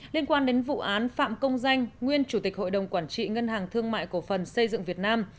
liên quan đến vụ án phạm công danh nguyên chủ tịch hội đồng quản trị ngân hàng thương mại cổ phần xây dựng việt nam